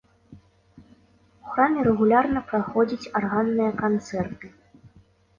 У храме рэгулярна праходзяць арганныя канцэрты.